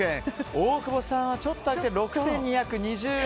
大久保さんはちょっと上げて６２２０円。